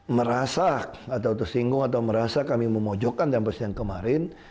merasa atau tersinggung atau merasa kami memojokkan dalam persidangan kemarin